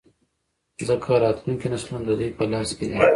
ځـکـه راتـلونکي نـسلونه د دوي پـه لاس کـې دي.